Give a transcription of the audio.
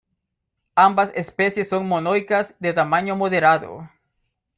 Ambas especies son monoicas de tamaño moderado.